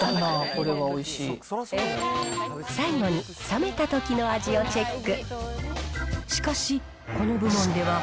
最後に、冷めたときの味をチェック。